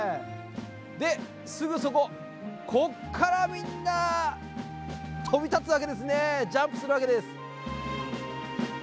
で、すぐそこ、ここからみんな飛び立つわけですね、ジャンプするわけです。